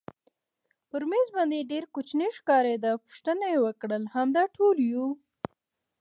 پر مېز باندې ډېر کوچنی ښکارېده، پوښتنه یې وکړل همدا ټول یو؟